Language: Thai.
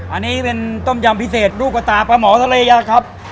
อันนี้เป็นต้มยำพิเศษลูกกระตาปลาหมอทะเลยะครับ